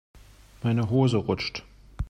Meine Hose rutscht.